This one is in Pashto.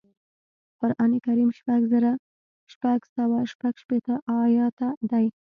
قران کریم شپږ زره شپږ سوه شپږشپېته ایاته دی